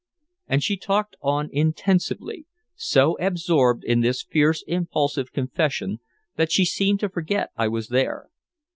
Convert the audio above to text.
And she talked on intensely, so absorbed in this fierce impulsive confession that she seemed to forget I was there.